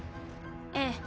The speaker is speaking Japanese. ええ。